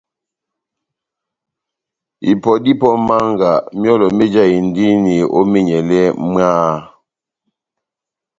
Ipɔ dá ipɔ ó mánga, myɔlɔ méjahindini ó menyɛlɛ mwaaaha !